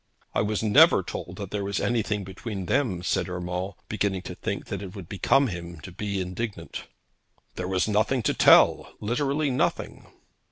'I was never told that there was anything between them,' said Urmand, beginning to think that it would become him to be indignant. 'There was nothing to tell, literally nothing.'